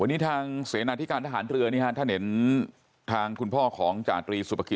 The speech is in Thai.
วันนี้ทางเสนาธิการทหารเรือนี่ฮะท่านเห็นทางคุณพ่อของจาตรีสุภกิจ